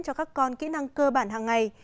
cho các con kỹ năng cơ bản hàng ngày